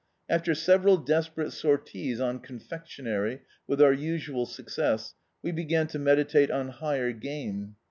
After several desperate sorties on cMifectionery, with our usual success, we began to meditate on higher game.